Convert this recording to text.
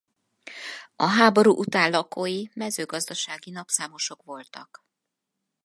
A háború után lakói mezőgazdasági napszámosok voltak.